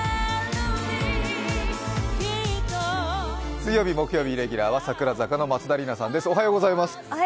水曜日、木曜日レギュラーは櫻坂４６の松田里奈さんです。